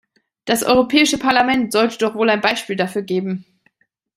Das Europäische Parlament sollte doch wohl ein Beispiel dafür geben.